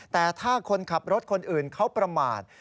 แต่ถ้าคนขับรถคนอื่นเขาประมาท